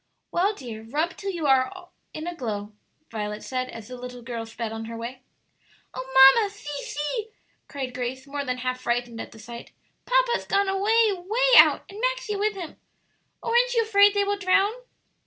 "Well, dear, rub till you are in a glow," Violet said, as the little girl sped on her way. "Oh mamma, see, see!" cried Grace, more than half frightened at the sight; "papa has gone away, way out, and Maxie with him. Oh, aren't you afraid they will drown?"